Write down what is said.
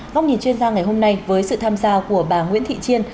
góc nhìn chuyên gia ngày hôm nay với sự tham gia của bà nguyễn thị chiên